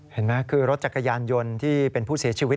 เห็นไหมคือรถจักรยานยนต์ที่เป็นผู้เสียชีวิต